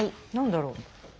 何だろう？